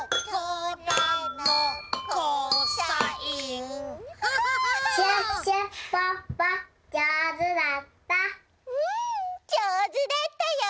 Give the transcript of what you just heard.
うんじょうずだったよ！